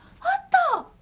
あった！